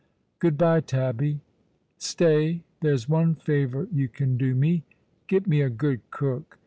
" Good bye, Tabby. Stay, there's one favour you can do me. Get me a good cook.